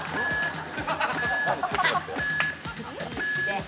ちょっと待って。